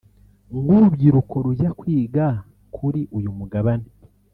nk’urubyiruko rujya kwiga Kuri uyu mugabane